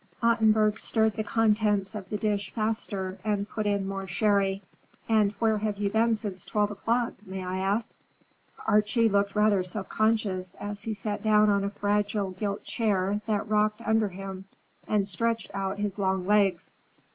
Ottenburg stirred the contents of the dish faster and put in more sherry. "And where have you been since twelve o'clock, may I ask?" Archie looked rather self conscious, as he sat down on a fragile gilt chair that rocked under him, and stretched out his long legs.